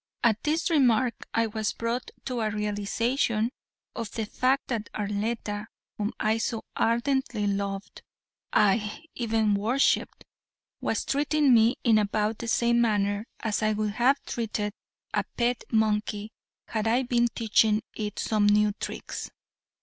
At this remark I was brought to a realization of the fact that Arletta, whom I so ardently loved, aye even worshipped, was treating me in about the same manner as I would have treated a pet monkey had I been teaching it some new tricks.